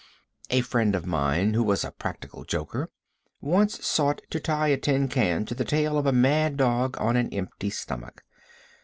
A friend of mine, who was a practical joker, once sought to tie a tin can to the tail of a mad dog on an empty stomach.